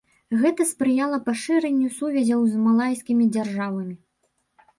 Гэта спрыяла пашырэнню сувязяў з малайскімі дзяржавамі.